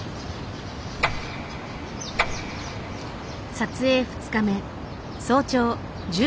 撮影２日目。